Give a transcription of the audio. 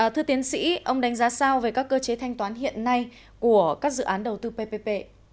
thưa tiến sĩ ông đánh giá sao về các cơ chế thanh toán hiện nay của các dự án đầu tư ppp